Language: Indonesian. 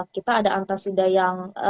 kita ada antasida yang